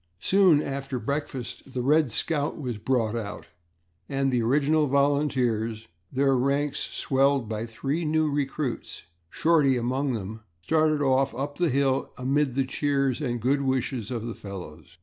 Soon after breakfast the "Red Scout" was brought out and the original volunteers, their ranks swelled by three new recruits, Shorty among them, started off up the hill amid the cheers and good wishes of the fellows.